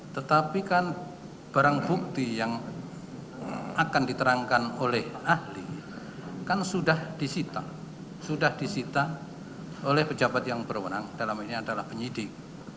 tetapi kan barang bukti yang akan diterangkan oleh ahli kan sudah disita sudah disita oleh pejabat yang berwenang dalam ini adalah penyidik